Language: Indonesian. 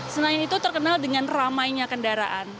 senayan itu terkenal dengan ramainya kendaraan